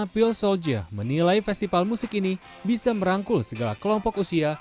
penilai festival musik ini bisa merangkul segala kelompok usia